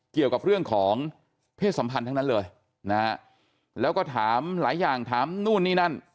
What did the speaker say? เกี่ยวกับเรื่องของเพศสัมพันธ์ทั้งนั้นเลยนะฮะแล้วก็ถามหลายอย่างถามนู่นนี่นั่น